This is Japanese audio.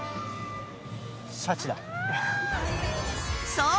そう！